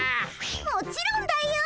もちろんだよ！